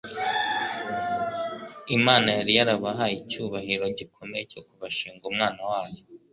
Imana yari yarabahaye icyubahiro gikomeye cyo kubashinga Umwana Wayo